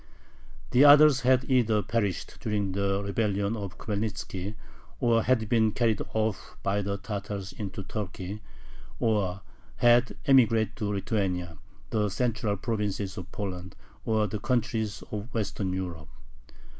The others had either perished during the rebellion of Khmelnitzki, or had been carried off by the Tatars into Turkey, or had emigrated to Lithuania, the central provinces of Poland, or the countries of Western Europe.